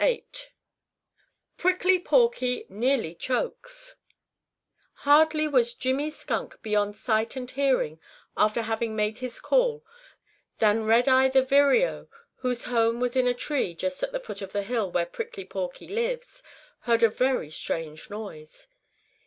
VIII PRICKLY PORKY NEARLY CHOKES Hardly was Jimmy Skunk beyond sight and hearing after having made his call than Redeye the Vireo, whose home is in a tree just at the foot of the hill where Prickly Porky lives, heard a very strange noise.